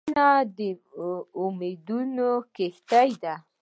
• مینه د امیدونو کښتۍ ده.